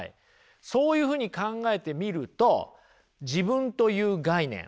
そういうふうに考えてみると自分という概念